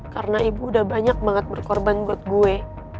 karena ibu udah banyak banget berkorban buat gue